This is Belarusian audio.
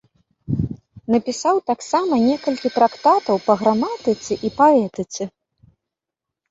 Напісаў таксама некалькі трактатаў па граматыцы і паэтыцы.